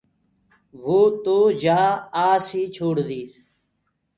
وو تو يآ آس ئي ڇوڙ ديس۔